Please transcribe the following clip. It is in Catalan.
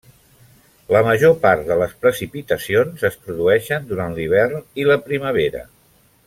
La major part de les precipitacions es produeixen durant l'hivern i la primavera.